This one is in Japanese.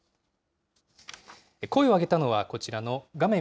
声を上げたのは、こちらの画面